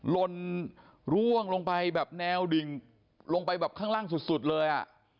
ลนร่วงลงไปแบบแนวดิ่งลงไปแบบข้างล่างสุดเลยอ่ะ